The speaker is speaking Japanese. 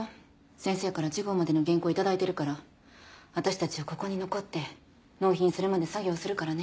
先生から次号までの原稿を頂いてるから私たちはここに残って納品するまで作業するからね。